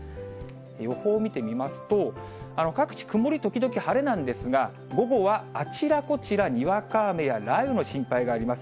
予報を見てみますと、各地、曇り時々晴れなんですが、午後はあちらこちら、にわか雨や雷雨の心配があります。